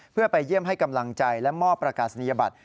เพื่อไปเยี่ยมให้กำลังใจและมอบประกาศนียบัตร